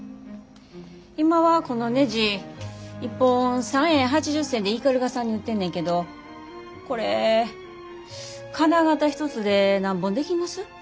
今はこのねじ一本３円８０銭で斑鳩さんに売ってんねんけどこれ金型一つで何本できます？